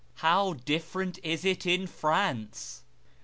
ITow different is it in Franco